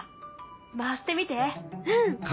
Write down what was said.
回してみて。